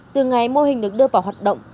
từ ngày mô hình được đưa vào hoạt động